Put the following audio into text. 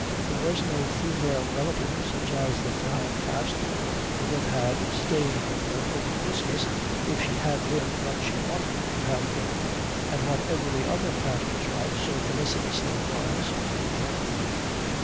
There was no female relative such as the Frau Pastor would have had staying with her over Christmas if she had been what she ought to have been, and what every other pastor's wife so felicitously was, a German.